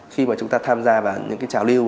khi mà chúng ta tham gia vào những cái trào lưu